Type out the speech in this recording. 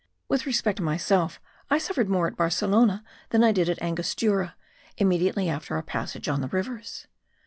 With respect to myself, I suffered more at Barcelona than I did at Angostura, immediately after our passage on the rivers.